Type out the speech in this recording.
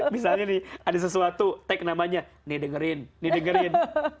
misalnya nih ada sesuatu tag namanya nih dengerin nih dengerin